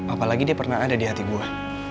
apalagi dia pernah ada di hati buah